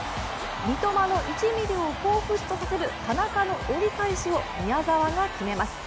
三笘の１ミリをほうふつとさせる田中の折り返しを宮澤が決めます。